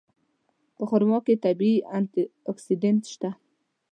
په خرما کې طبیعي انټي اکسېډنټ شته.